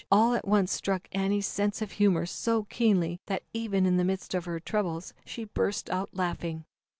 all at once struck Annie's sense of humor so keenly that, even in the midst of her troubles, she burst out laughing.